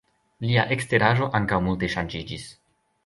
Lia eksteraĵo ankaŭ multe ŝanĝiĝis.